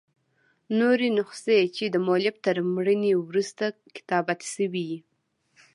نوري نسخې، چي دمؤلف تر مړیني وروسته کتابت سوي يي.